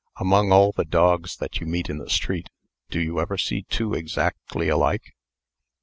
Among all the dogs that you meet in the street, do you ever see two exactly alike?"